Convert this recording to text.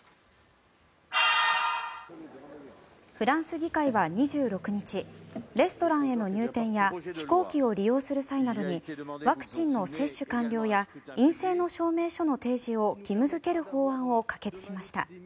フランス議会は２６日レストランへの入店や飛行機を利用する際などにワクチンの接種完了や陰性の証明書の提示を義務付ける法案を可決しました。